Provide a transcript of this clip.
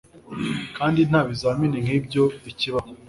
kandi nta bizamini nk'ibyo bikibaho